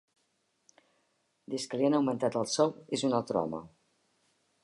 Des que li han augmentat el sou és un altre home.